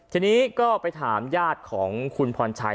ทีนี้ก็ไปถามญาติของคุณพรชัย